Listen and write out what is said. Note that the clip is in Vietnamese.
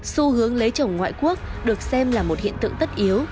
xu hướng lấy chồng ngoại quốc được xem là một hiện tượng tất yếu